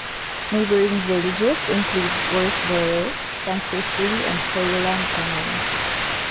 Neighbouring villages include Worsbrough, Tankersley and Hoyland Common.